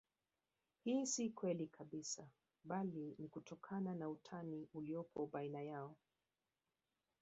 Hii si kweli kabisa bali ni kutokana na utani uliopo baina yao